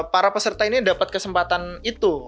para peserta ini dapat kesempatan itu